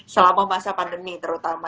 selama masa pandemi terutama